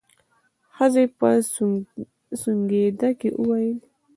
ښځې په سونګېدا کې وويل.